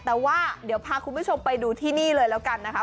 แต่ว่าเดี๋ยวพาคุณผู้ชมไปดูที่นี่เลยแล้วกันนะคะ